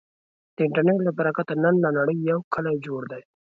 د انټرنټ له برکته، نن له نړې یو کلی جوړ دی.